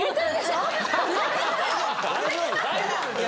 大丈夫ですか？